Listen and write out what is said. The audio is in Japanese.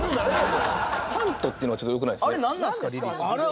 「ファンと」っていうのはちょっとよくないですね。